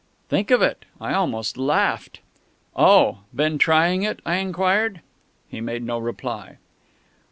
Think of it!... I almost laughed. "Oh!... Been trying it?" I inquired. He made no reply.